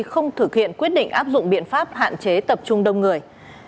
không thực hiện quyết định áp dụng biện pháp hạn chế tập trung đông người